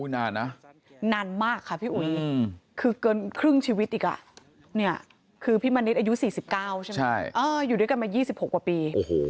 นานนะนานมากค่ะพี่อุ๋ยคือเกินครึ่งชีวิตอีกคือพี่มณิชย์อายุ๔๙ใช่ไหมอยู่ด้วยกันมา๒๖กว่าปี